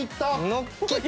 のっけて。